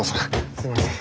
すいません。